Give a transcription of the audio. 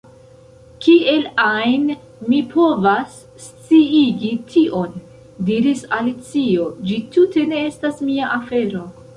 "Kiel ajn mi povas sciigi tion?" diris Alicio, "ĝi tute ne estas mia afero."